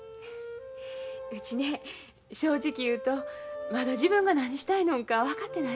うちね正直言うとまだ自分が何したいのんか分かってないんや。